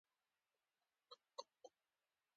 ډرامه باید د انسانانو ژوند ته مثبت بدلون ورکړي